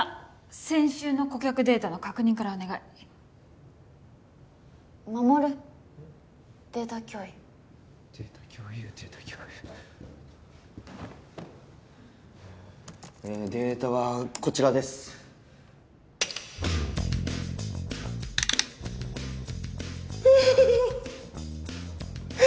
先週の顧客データの確認からお願い衛データ共有データ共有データ共有データはこちらですああ